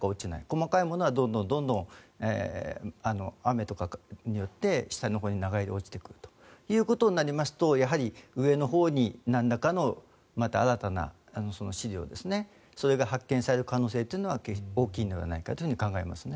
細かいものはどんどん雨とかによって下のほうに流れ落ちていくということになりますとやはり、上のほうになんらかのまた新たな試料それが発見される可能性は大きいのではないかと思います。